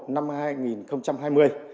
ngày chín tháng một năm hai nghìn hai mươi